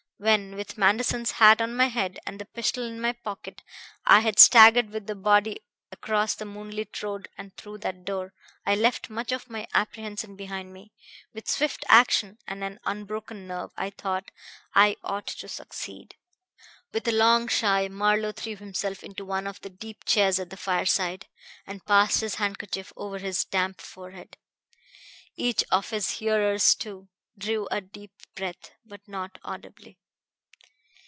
When, with Manderson's hat on my head and the pistol in my pocket, I had staggered with the body across the moonlit road and through that door, I left much of my apprehension behind me. With swift action and an unbroken nerve, I thought I ought to succeed." With a long sigh Marlowe threw himself into one of the deep chairs at the fireside, and passed his handkerchief over his damp forehead. Each of his hearers, too, drew a deep breath, but not audibly.